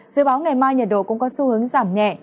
dự báo ngày mai nhiệt độ cũng có xu hướng giảm nhẹ